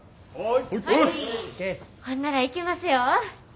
ほんならいきますよ。